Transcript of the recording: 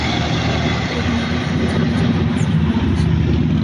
Pero con algunas canciones buenas, al menos.